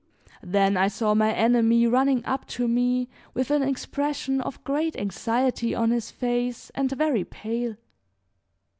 Then I saw my enemy running up to me with an expression of great anxiety on his face, and very pale.